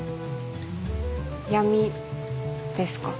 闇ですか？